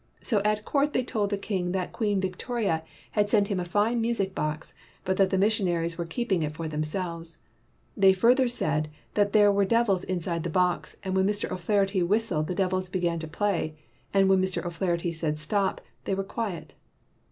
So at court they told the king that Queen Vic toria had sent him a fine music box, but that the missionaries were keeping it for them selves. They further said that there were devils inside the box and when Mr. O 'Flah erty whistled the devils began to play and when Mr. O 'Flaherty said "stop," they were quiet.